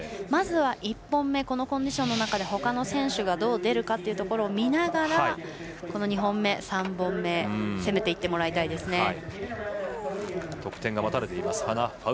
まず、１本目このコンディションの中ほかの選手がどう出るかを見ながらこの２本目、３本目攻めていってもらいたいですね。